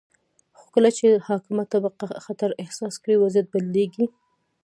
خو کله چې حاکمه طبقه خطر احساس کړي، وضعیت بدلیږي.